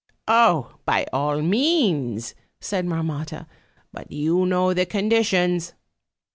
'Oh! by all means,' said Marmotta, 'but you know the conditions.'